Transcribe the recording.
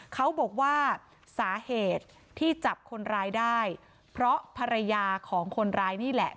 เขาบอกว่าสาเหตุที่จับคนร้ายได้เพราะภรรยาของคนร้ายนี่แหละ